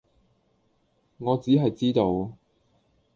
我只係知道